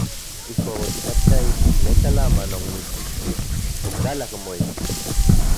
Ijkuak otikatka ijtik neka lama non omitspixki, okalak moijtik.